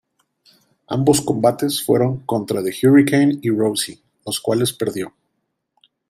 Ambos combates fueron contra The Hurricane y Rosey, los cuales perdió.